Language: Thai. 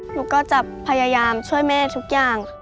หนูก็จะพยายามช่วยแม่ทุกอย่างค่ะ